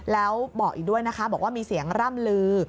แล้วบอกอีกด้วยนะคะบอกว่ามีเสียงร่ำลือ